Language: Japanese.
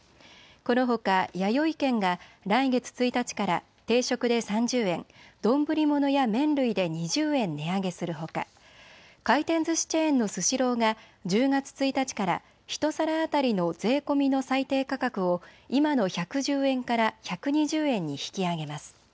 このほか、やよい軒が来月１日から定食で３０円、丼ものや麺類で２０円値上げするほか回転ずしチェーンのスシローが１０月１日から１皿当たりの税込みの最低価格を今の１１０円から１２０円に引き上げます。